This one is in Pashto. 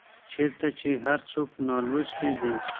چيرته چي هر څوک نالوستي دي